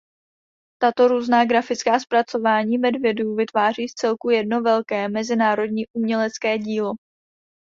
Tato různá grafická zpracování medvědů vytváří v celku jedno velké mezinárodní umělecké dílo.